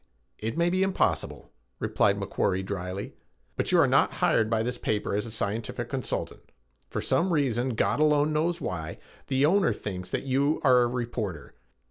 "It may be impossible," replied McQuarrie dryly, "but you are not hired by this paper as a scientific consultant. For some reason, God alone knows why, the owner thinks that you are a reporter.